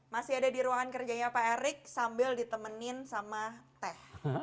masih ada di ruangan kerjanya pak erick sambil ditemenin sama teh